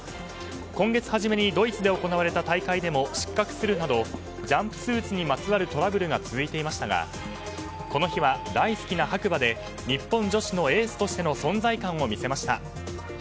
今月初めにドイツで行われた大会でも失格するなどジャンプスーツにまつわるトラブルが続いていましたがこの日は大好きな白馬で日本女子のエースとしての存在感を見せました。